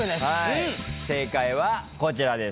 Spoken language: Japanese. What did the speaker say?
正解はこちらです。